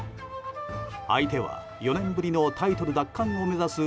相手は４年ぶりのタイトル奪還を目指す